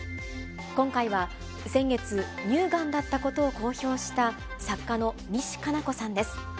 今回は先月、乳がんだったことを公表した作家の西加奈子さんです。